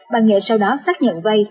bà nghệ sau đó xác nhận vây